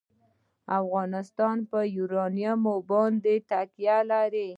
افغانستان په یورانیم باندې تکیه لري.